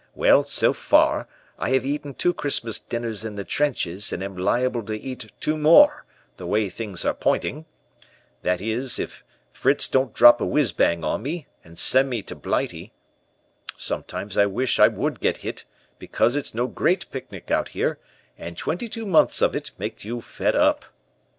Well, so far, I have eaten two Christmas dinners in the trenches, and am liable to eat two more, the way things are pointing. That is, if Fritz don't drop a 'whizz bang' on me, and send me to Blighty. Sometimes I wish I would get hit, because it's no great picnic out here, and twenty two months of it makes you fed up.